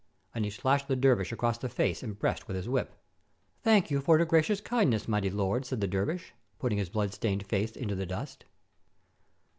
And he slashed the dervish across the face and breast with his whip. "Thank you for your gracious kindness, mighty lord," 464 THE COMING OF THE COMET said the dervish, putting his blood stained face into the dust.